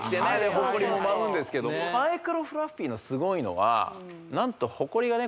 ホコリも舞うんですけどもマイクロフラッフィーのすごいのは何とホコリがね